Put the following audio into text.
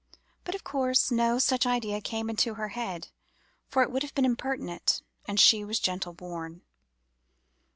But, of course, no such idea came into her head, for it would have been impertinent, and she was gentle born.